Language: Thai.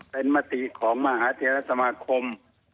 เป็นมติของมหาเทรสมาคม